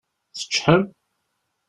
Teččḥem?